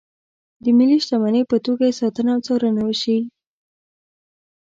د ملي شتمنۍ په توګه یې ساتنه او څارنه وشي.